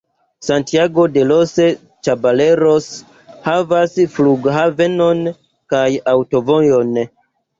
Santiago de los Caballeros havas flughavenon kaj aŭtovojon.